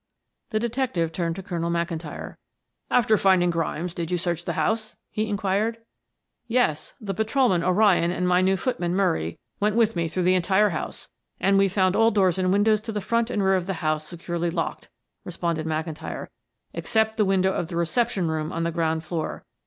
The detective turned to Colonel McIntyre. "After finding Grimes did you search the house?" he inquired. "Yes. The patrolman, O'Ryan, and my new footman, Murray, went with me through the entire house, and we found all doors and windows to the front and rear of the house securely locked," responded McIntyre; "except the window of the reception room on the ground floor.